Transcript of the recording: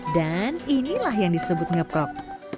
dan inilah yang disebut ngeprok